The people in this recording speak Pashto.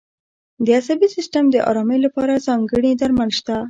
د عصبي سیستم د آرامۍ لپاره ځانګړي درمل شته.